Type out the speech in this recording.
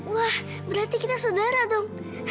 wah berarti kita saudara dong